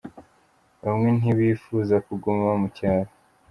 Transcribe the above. Bamwe ntibifuza kuguma mu cyaro.